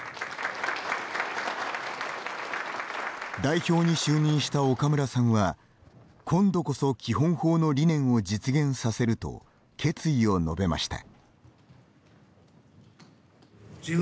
代表に就任した岡村さんは今度こそ基本法の理念を実現させると決意を述べました。